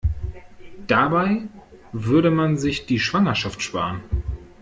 Dabei würde man sich die Schwangerschaft sparen.